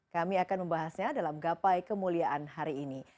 kami akan membahasnya dalam gapai kemuliaan hari ini